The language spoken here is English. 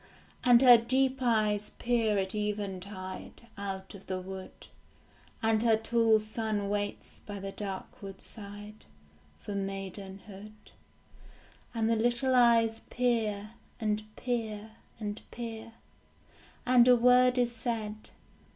And her deep eyes peer at eventide Out of the wood, And her tall son waits by the dark woodside For maidenhood. And the little eyes peer, and peer, and peer; And a word is said.